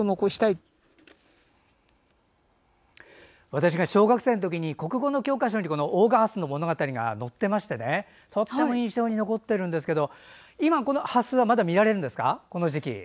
私が小学生のときに国語の教科書にこの大賀ハスの物語が載っていましてとっても印象に残っているんですけど今この時期、ハスはまだ見られるんですか？